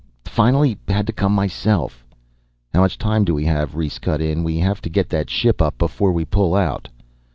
Finally ... had to come myself " "How much time do we have?" Rhes cut in. "We have to get that ship up before we pull out."